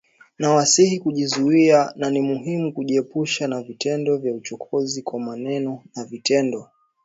Ninawasihi kujizuia na ni muhimu kujiepusha na vitendo vya uchokozi kwa maneno na vitendo